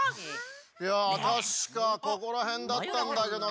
いやたしかここらへんだったんだけどな。